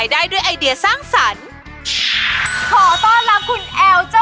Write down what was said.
สวัสดีค่ะ